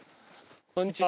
こんにちは。